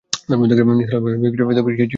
নিসার আলি বললেন, কিছু বলবে খোকা?